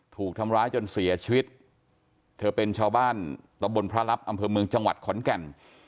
ถูกทำร้ายจนเสียชีวิตเธอเป็นชาวบ้านตะบนพระรับอำเภอเมืองจังหวัดขอนแก่น